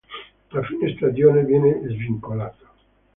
A fine stagione viene svincolato.